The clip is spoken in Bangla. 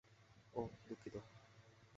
ওহ, দুঃখিত!